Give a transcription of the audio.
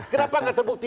kenapa nggak terbukti